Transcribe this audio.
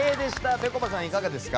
ぺこぱさん、いかがですか。